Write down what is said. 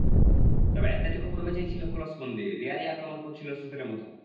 তবে অ্যাটলেটিকো পুরো ম্যাচেই ছিল খোলসবন্দী, রিয়ালই আক্রমণ করছিল স্রোতের মতো।